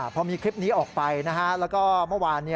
พอมีคลิปนี้ออกไปแล้วก็เมื่อวาน